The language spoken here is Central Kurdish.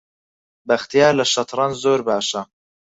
بەختیار لە شەترەنج زۆر باشە.